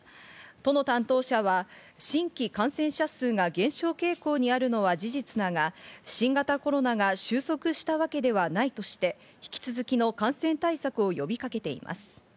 都の担当者は新規感染者数が減少傾向にあるのは事実だが、新型コロナが収束したわけではないとして、引き続きの感染対策を呼びかけています。